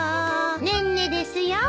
ねんねですよ。